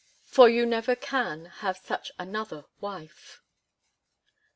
for you never can have such another wife.